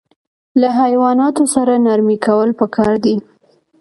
له حیواناتو سره نرمي کول پکار دي.